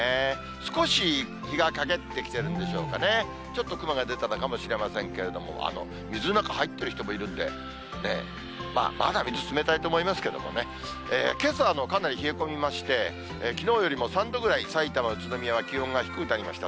少し日が陰ってきてるんでしょうかね、ちょっと雲が出たのかもしれませんけれども、水の中入ってる人もいるんで、まだ水つけたと思いますけれどもね、けさもかなり冷え込みまして、きのうよりも３度ぐらいさいたま、宇都宮は気温が低くなりました。